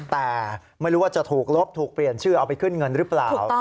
แต่ไม่รู้ว่าจะถูกลบถูกเปลี่ยนชื่อเอาไปขึ้นเงินหรือเปล่า